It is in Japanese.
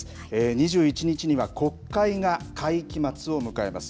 ２１日には国会が会期末を迎えます。